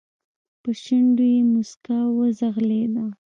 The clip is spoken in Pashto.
په شونډو يې موسکا وځغلېده.